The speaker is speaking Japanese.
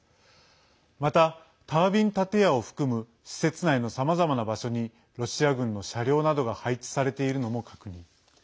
また、タービン建屋を含む施設内のさまざまな場所にロシア軍の車両などが配置されているのも確認。